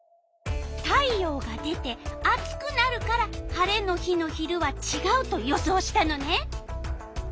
太陽が出て暑くなるから晴れの日の昼はちがうと予想したのね。